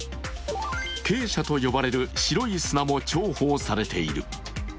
珪砂と呼ばれる白い砂も重宝されている。